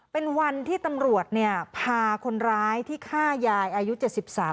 เป็นวันที่ตำรวจพาคนร้ายที่ฆ่ายายอายุ๗๓ปี